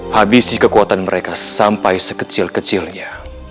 habisi kekuatan mereka sampai sekecil kecilnya